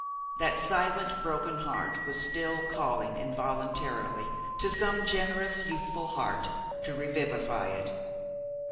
That silent, broken heart was still calling involuntarily to some generous youthful heart to revivify it.